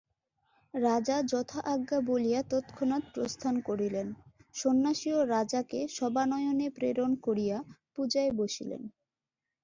রাজা যথা আজ্ঞা বলিয়া তৎক্ষণাৎ প্রস্থান করিলেন, সন্ন্যাসীও রাজাকে শবানয়নে প্রেরণ করিয়া পূজায় বসিলেন।